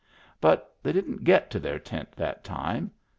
But they didn't get to their tent that time.